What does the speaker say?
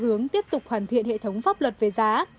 hướng tiếp tục hoàn thiện hệ thống pháp luật về giá